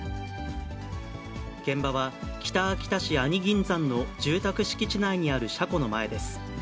現場は北秋田市阿仁銀山の住宅敷地内にある車庫の前です。